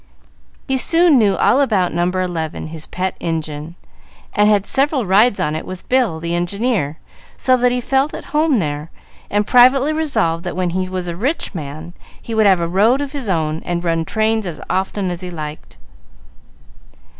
He soon knew all about No. 11, his pet engine, and had several rides on it with Bill, the engineer, so that he felt at home there, and privately resolved that when he was a rich man he would have a road of his own, and run trains as often as he liked.